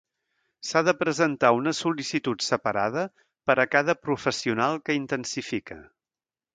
S'ha de presentar una sol·licitud separada per a cada professional que intensifica.